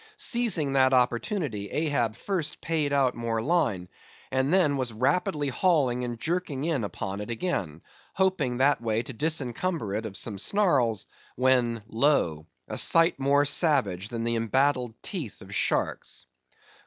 Seizing that opportunity, Ahab first paid out more line: and then was rapidly hauling and jerking in upon it again—hoping that way to disencumber it of some snarls—when lo!—a sight more savage than the embattled teeth of sharks!